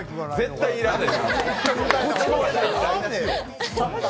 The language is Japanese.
絶対要らない。